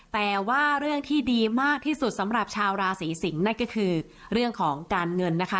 แต่ว่าเรื่องที่ดีมากที่สุดสำหรับชาวราศีสิงศ์นั่นก็คือเรื่องของการเงินนะคะ